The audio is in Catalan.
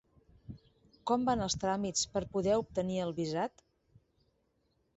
Com van els tràmits per poder obtenir el visat?